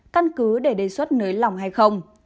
căn cứ để đề xuất nến lỏng hay không